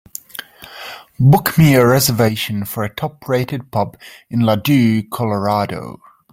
Book me a reservation for a top-rated pub in Ladue, Colorado